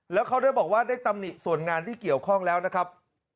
แล้วเขาได้บอกว่าได้ตำหนิส่วนงานที่เกี่ยวข้องแล้วนะครับ